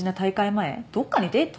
前どっかにデート？